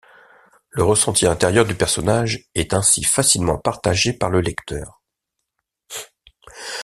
Le ressenti intérieur du personnage est ainsi facilement partagé par le lecteur.